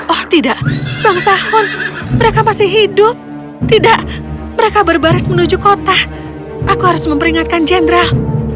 oh tidak bang sahun mereka masih hidup tidak mereka berbaris menuju kota aku harus memperingatkan jenderal